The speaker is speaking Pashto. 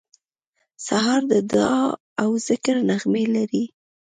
سهار د دعا او ذکر نغمې لري.